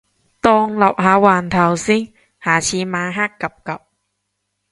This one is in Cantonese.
當立下環頭先，下次晚黑 𥄫𥄫